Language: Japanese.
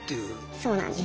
そうなんです。